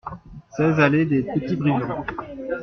seize allée des Petits Brivins